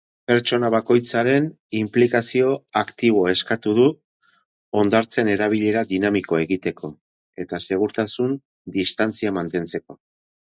Pertsona bakoitzaren inplikazio aktiboa eskatu du hondartzen erabilera dinamikoa egiteko eta segurtasun-distantzia mantentzeko.